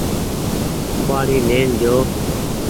ڪوُ وآڙي لين جو ۔